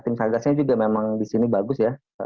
tim satgas ini juga memang di sini bagus ya